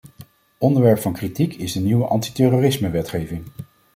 Onderwerp van kritiek is de nieuwe antiterrorismewetgeving.